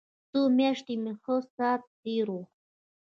څو مياشتې مې ښه ساعت تېر و.